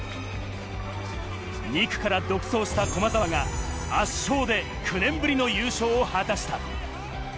２区から独走した駒澤が圧勝で９年ぶりの優勝を果たした。